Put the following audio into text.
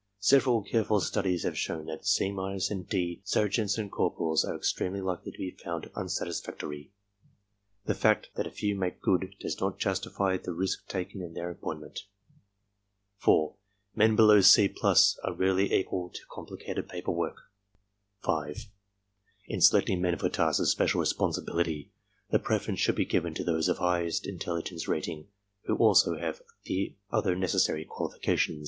Several careful studies have shown that "C— " and "D" ser geants and corporals are extremely likely to be found unsatis factory. The fact that a few make good does not justify the risk taken in their appointment. 4. Men below "C+" are rarely equal to complicated paper work. 5. In selecting men for tasks of special responsibility the preference should be given to those of highest intelligence rating METHODS AND RESULTS 25 who also have the other necessary qualifications.